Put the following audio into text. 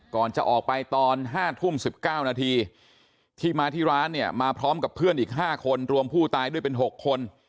ก่อนจะออกไปตอน๕ทุ่ม๑๙นาทีที่มาที่ร้านเนี่ยมาพร้อมกับเพื่อนอีก๕คนรวมผู้ตายด้วยเป็น๖คน